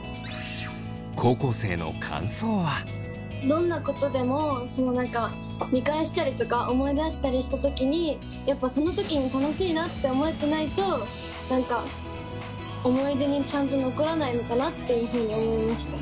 どんなことでも見返したりとか思い出したりした時にやっぱその時に楽しいなって思えてないと何か思い出にちゃんと残らないのかなっていうふうに思いました。